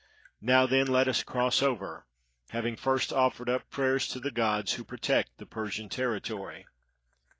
Now, then, let us cross over, having first offered up prayers to the gods who protect the Persian territory."